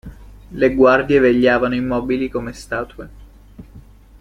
Le guardie vegliavano immobili come statue.